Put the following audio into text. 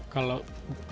kalau di saat dipakai